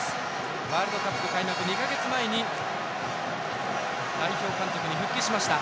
ワールドカップ開幕２か月前に代表監督に復帰しました。